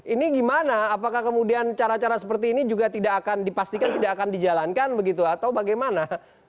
ini gimana apakah kemudian cara cara seperti ini juga tidak akan dipastikan tidak akan dijalankan begitu atau bagaimana